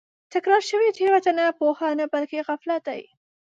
تکرار شوې تېروتنه پوهه نه بلکې غفلت دی.